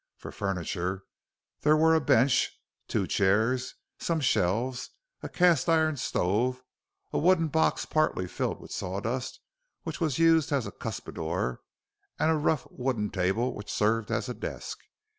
For furniture there were a bench, two chairs, some shelves, a cast iron stove, a wooden box partly filled with saw dust which was used as a cuspidor, and a rough wooden table which served as a desk.